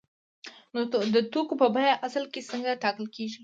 نو د توکو بیه په اصل کې څنګه ټاکل کیږي؟